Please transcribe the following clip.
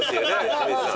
清水さん。